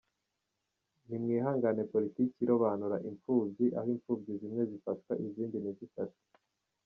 Ni mwamagane politike irobanura impfubyi, aho imfubyi zimwe zifashwa izindi ntizifashwe.